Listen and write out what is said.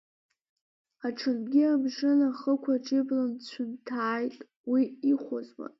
Аҽынгьы амшын ахықәаҿ ибла нцәынҭааит, уи ихәозма.